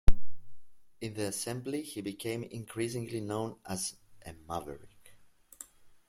In the Assembly he became increasingly known as a maverick.